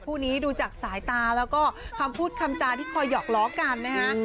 คู่นี้ดูจากสายตาแล้วก็คำพูดคำจาที่คอยหอกล้อกันนะฮะ